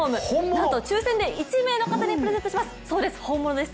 なんと抽選で１名の方にプレゼントします